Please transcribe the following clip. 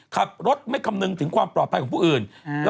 ขับรถไม่คำนึงถึงความปลอดภัยของผู้อื่น